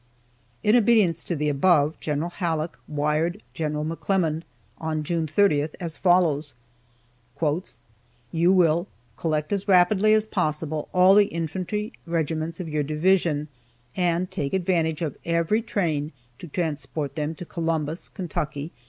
In obedience to the above, General Halleck wired General McClernand on June 30 as follows: "You will collect as rapidly as possible all the infantry regiments of your division, and take advantage of every train to transport them to Columbus [Ky.